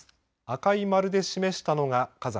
赤い丸で示したのが火山。